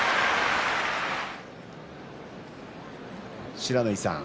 不知火さん